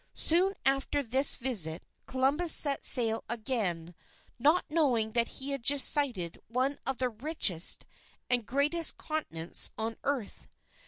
Soon after this visit, Columbus set sail again, not knowing that he had just sighted one of the richest and greatest continents on earth.